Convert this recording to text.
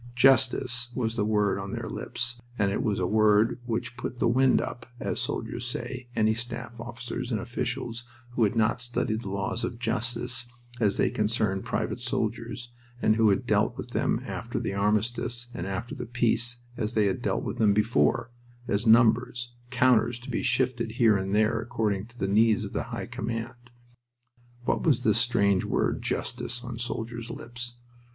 "Justice" was the word on their lips, and it was a word which put the wind up (as soldiers say) any staff officers and officials who had not studied the laws of justice as they concern private soldiers, and who had dealt with them after the armistice and after the peace as they had dealt with them before as numbers, counters to be shifted here and there according to the needs of the High Command. What was this strange word "justice" on soldiers' lips?...